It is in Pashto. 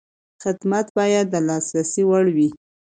خدمت باید د لاسرسي وړ وي.